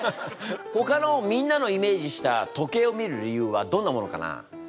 ほかのみんなのイメージした時計を見る理由はどんなものかな？